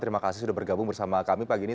terima kasih sudah bergabung bersama kami pagi ini